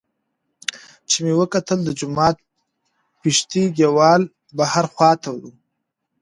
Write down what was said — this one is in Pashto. چې مې وکتل د جومات پشتۍ دېوال بهر خوا ته